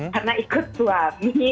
karena ikut suami